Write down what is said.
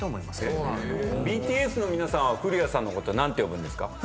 ＢＴＳの皆さんは古家さんのこと何て呼ぶんですか？